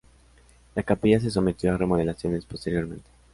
La capilla se sometió a remodelaciones posteriormente.